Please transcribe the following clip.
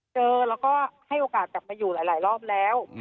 เจอแล้วก็ให้โอกาสกลับมาอยู่หลายรอบแล้ว